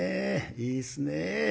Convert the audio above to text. いいですね。